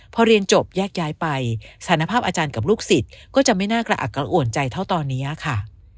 พอเรียนจบแยกย้ายไปสารภาพอาจารย์กับลูกศิษย์ก็จะไม่น่ากระอักกระอ่วนใจเท่าตอนนี้ค่ะ